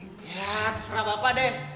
ya terserah bapak deh